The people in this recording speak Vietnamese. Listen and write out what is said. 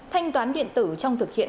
thanh toán điện tử trong thực hiện